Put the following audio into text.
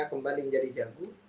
kembali menjadi jagu